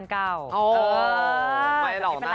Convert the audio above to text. หล่อเล่าให้ฟังไม่ได้ปรึกษาอะไร